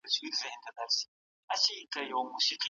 کله خطر زیاتېږي؟